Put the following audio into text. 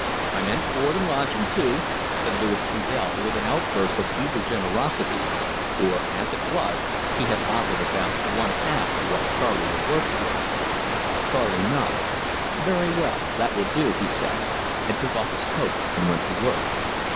"I meant board and lodging too," said Louis Trudel with an outburst of eager generosity, for, as it was, he had offered about one half of what Charley was worth to him. Charley nodded. "Very well, that will do," he said, and took off his coat and went to work.